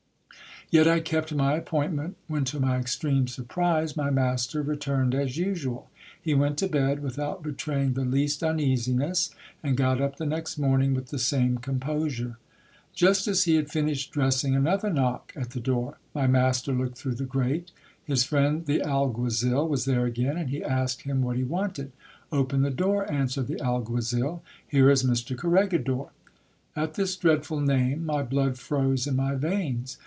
Yet I kept my appointment ; when, to my extreme surprise, my master returned as usual. He went to bed without betraying the least uneasiness, and got up the next morning with the same composure. Just as he had finished dressing, another knock at the door ! My master looked through the grate. His friend the alguazil was there again, and he asked him what he wanted. Open the door, answered the alguazil ; here is Mr Cor regidor. At this dreadful name, my blood froze in my veins.